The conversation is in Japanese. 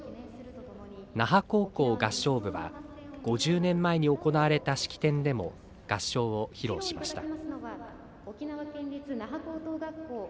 那覇高校合唱部は５０年前に行われた式典でも合唱を披露しました。